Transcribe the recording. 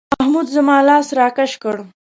محمود زما لاس راکش کړ.